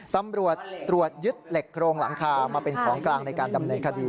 ตำรวจตรวจยึดเหล็กโครงหลังคามาเป็นของกลางในการดำเนินคดี